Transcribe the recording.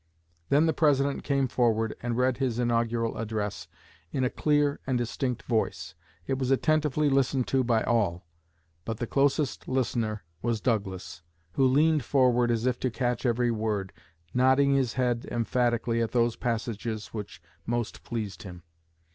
Then the President came forward and read his inaugural address in a clear and distinct voice. It was attentively listened to by all; but the closest listener was Douglas, who leaned forward as if to catch every word, nodding his head emphatically at those passages which most pleased him.